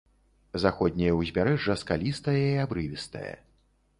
Заходняе ўзбярэжжа скалістае і абрывістае.